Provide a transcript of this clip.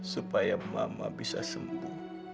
supaya mama bisa sembuh